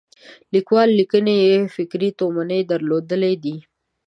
لیکوال لیکنې یې فکري تومنې درلودلې دي.